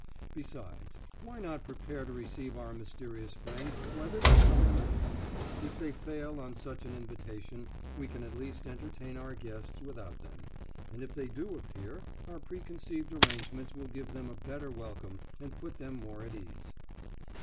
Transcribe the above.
Besides, why not prepare to receive our mysterious friends whether they come or not? If they fail on such an invitation, we can at least entertain our other guests without them, and if they do appear, our preconceived arrangements will give them a better welcome and put them more at ease.